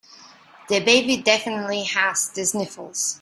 The baby definitely has the sniffles.